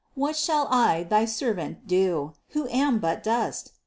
What shall I thy servant do, who am but dust